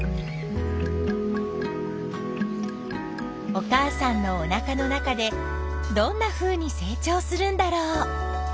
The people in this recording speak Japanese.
お母さんのおなかの中でどんなふうに成長するんだろう。